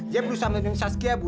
dia berusaha menemani saskia bu